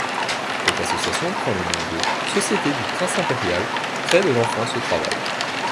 Cette association prend les noms de: Société du Prince-Impérial, prêts de l'enfance au travail.